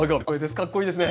かっこイイですね。